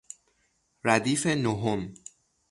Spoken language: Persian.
ردیف نهم